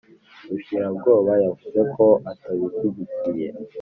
Rushirabwoba yavuze ko atabishyigikiye